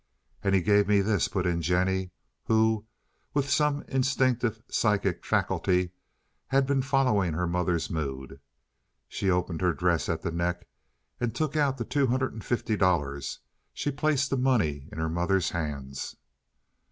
"And he gave me this," put in Jennie, who, with some instinctive psychic faculty, had been following her mother's mood. She opened her dress at the neck, and took out the two hundred and fifty dollars; she placed the money in her mother's hands.